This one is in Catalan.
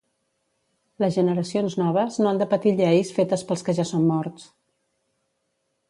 Les generacions noves no han de patir lleis fetes pels que ja són morts